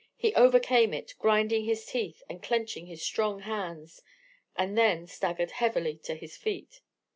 He overcame it: grinding his teeth, and clenching his strong hands: and then staggered heavily to his feet.